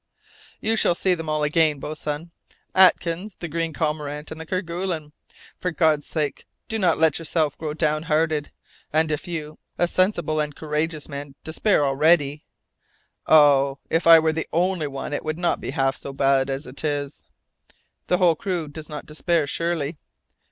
"You shall see them all again, boatswain Atkins, the Green Cormorant, and Kerguelen! For God's sake do not let yourself grow downhearted! And if you, a sensible and courageous man, despair already " "Oh, if I were the only one it would not be half so bad as it is!" "The whole crew does not despair, surely?"